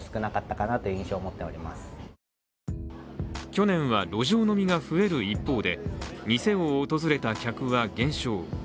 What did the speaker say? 去年は路上飲みが増える一方で店を訪れた客は減少。